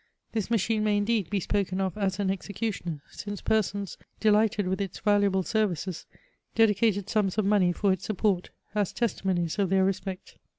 This machine may indeed be spoken of as an executioner, since persons, delighted with its valuable ser* vices, dedicated sums of money for its support, as testimonies of their respect.